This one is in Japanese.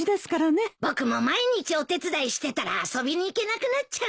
僕も毎日お手伝いしてたら遊びに行けなくなっちゃうよ。